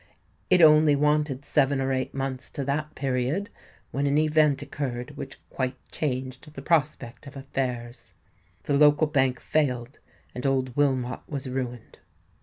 It only wanted seven or eight months to that period, when an event occurred which quite changed the prospect of affairs. The local bank failed, and old Wilmot was ruined."